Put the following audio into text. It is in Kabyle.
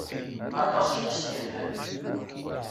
Atas i as-yennan.